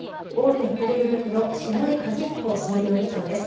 大手ホテルグループの下井和彦総料理長です。